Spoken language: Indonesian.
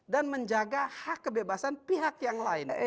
dan menjaga hak kebebasan pihak yang lain